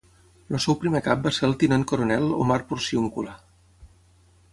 El seu primer cap va ser el tinent coronel Omar Porciúncula.